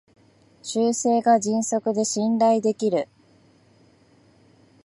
修正が迅速で信頼できる